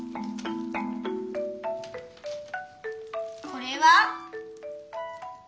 これは？